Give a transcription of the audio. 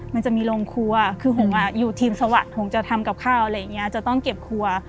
มันจะมีโรงครัวคือหงอยู่ทีมสวัสดิหงษ์จะทำกับข้าวอะไรอย่างนี้จะต้องเก็บครัว